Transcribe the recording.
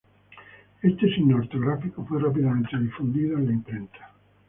Este signo ortográfico fue rápidamente difundido en la imprenta.